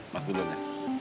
mas duluan ya